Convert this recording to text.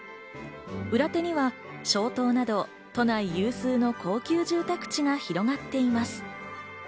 裏手には松濤など都内有数の高級住宅地が広がっています。